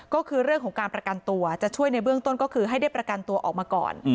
ก็คือเรื่องของการประกันตัวจะช่วยในเบื้องต้นก็คือให้ได้ประกันตัวออกมาก่อน